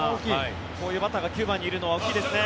こういうバッターが９番にいるのは大きいですね。